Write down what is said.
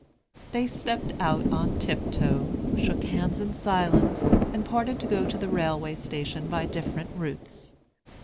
They stepped out on tiptoe, shook hands in silence, and parted to go to the railway station by different routes.